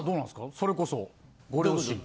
それこそご両親。